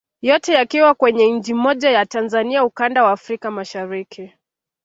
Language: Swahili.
Yote yakiwa kwenye nchi moja ya Tanzania ukanda wa Afrika Mashariki